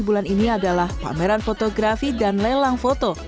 bulan ini adalah pameran fotografi dan lelang foto